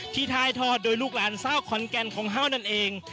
ที่ท้ายทอดโดยลูกหลานเศร้าขอนแกนของเฮ่านั่นเอง